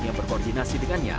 yang berkoordinasi dengannya